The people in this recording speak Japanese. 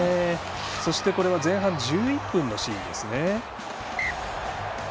そして、前半１１分のシーンです。